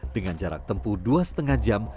dengan jarak tempuh dua lima jam